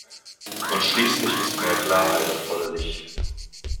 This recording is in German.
Und schließlich ist mehr Klarheit erforderlich.